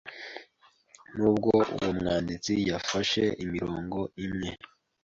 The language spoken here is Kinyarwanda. nubwo uwo mwanditsi yafashe imirongo imwe